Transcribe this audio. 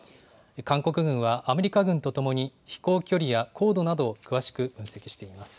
韓国軍はアメリカ軍とともに、飛行距離や高度など詳しく分析しています。